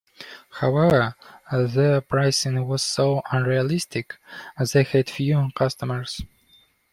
However, their pricing was so unrealistic, they had few customers.